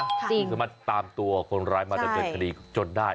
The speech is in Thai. คุณจะมาตามตัวคนร้ายมาจากเกิดคดีจนได้